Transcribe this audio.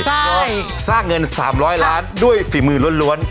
ใช่สร้างเงิน๓๐๐ล้านด้วยฝีมือล้วน